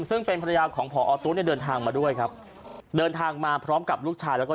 ซึ่งเป็นภรรยาของพอตู้เนี่ยเดินทางมาด้วยครับเดินทางมาพร้อมกับลูกชายแล้วก็